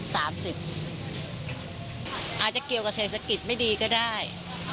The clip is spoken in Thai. จาก๑๐๐เปอร์เซ็นต์เหลือ๓๐อาจจะเกี่ยวกับเศรษฐกิจไม่ดีก็ได้